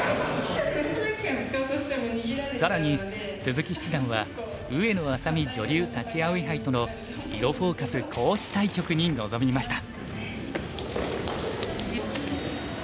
更に鈴木七段は上野愛咲美女流立葵杯との「囲碁フォーカス」講師対局に臨みました。